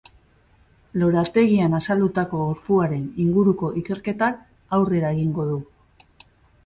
Lorategian azaldutako gorpuaren inguruko ikerketak aurrera egingo du.